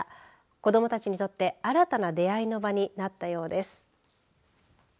子どもたちにとって新たな出会いの場になったようです。